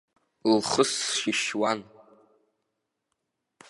Лхы сшьышьуан.